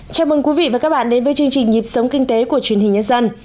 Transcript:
chào mừng quý vị và các bạn đến với chương trình nhịp sống kinh tế của truyền hình nhân dân